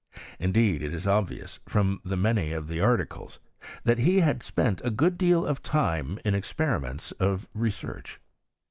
Indeed, it is obvious, from many of the articles, that he had spent a good deal of time jn experiments of research.